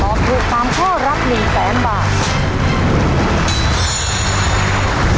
ตอบถูกตามข้อรับหนึ่งแสนบาท